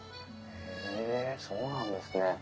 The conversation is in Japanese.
へえそうなんですね。